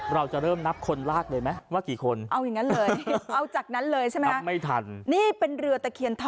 เราจะเริ่มนับคนลากได้มั้ย